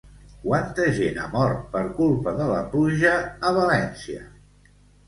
Quanta gent ha mort, per culpa de la pluja, a València?